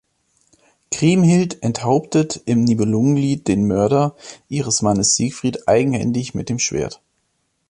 Kriemhild enthauptet im Nibelungenlied den Mörder ihres Mannes Siegfried eigenhändig mit dem Schwert.